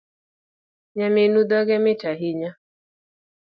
Nyaminu dhoge mit ahinya